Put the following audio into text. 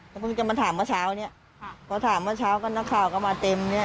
ก็เพิ่งจะมาถามเมื่อเช้าเนี้ยค่ะพอถามเมื่อเช้าก็นักข่าวก็มาเต็มเนี้ย